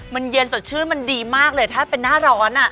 มันเย็นสดชื่นมันดีมากเลยถ้าเป็นหน้าร้อน